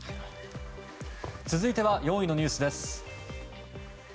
続いては４位のニュースです。